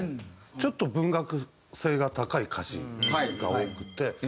ちょっと文学性が高い歌詞が多くて。